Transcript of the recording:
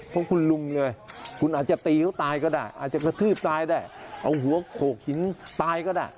เพราะคุณลุงเลยคุณอาจจะตีเขาตายก็ได้อาจจะกระทืบตายได้เอาหัวโขกหินตายก็ได้